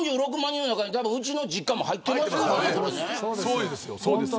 ４６万人の中にうちの実家も入ってますから。